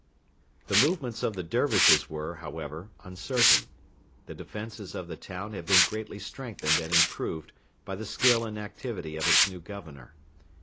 The movements of the Dervishes were, however, uncertain. The defences of the town had been greatly strengthened and improved by the skill and activity of its new Governor.